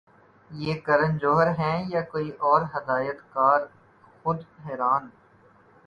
یہ کرن جوہر ہیں یا کوئی اور ہدایت کار خود حیران